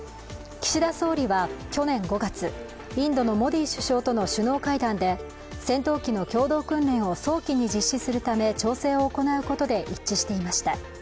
岸田総理は去年５月、インドのモディ首相との首脳会談で戦闘機の共同訓練を早期に実施するため調整を行うことで一致していました。